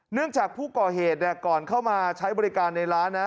จากผู้ก่อเหตุก่อนเข้ามาใช้บริการในร้านนะ